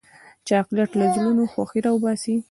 چاکلېټ له زړونو خوښي راوباسي.